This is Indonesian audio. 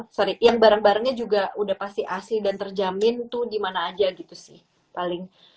sorry yang barang barangnya juga udah pasti asli dan terjamin tuh dimana aja gitu sih paling